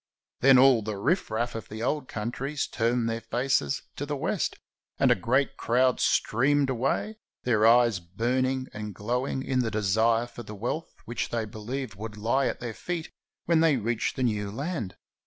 Then all the riff raff of the old countries turned their faces to the west, and a great crowd streamed away, their eyes burning and glowing in the desire for the wealth which they be lieved would lie at their feet when they reached the new land.